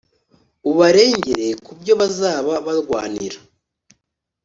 ubarengere mu byo bazaba barwanira.